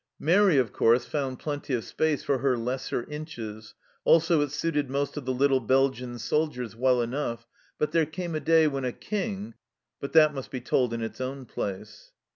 Mairi, of course, found plenty of space for her lesser inches, also it suited most of the little Belgian soldiers well enough, but there came a day when a King But that must be told in its own place